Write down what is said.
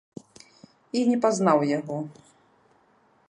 І не пазнаў яго.